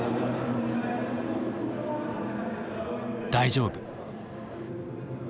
「大丈夫」。